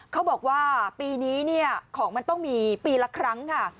เขาบอกว่าปีนี้ของมันต้องมีปีละครั้งค่ะ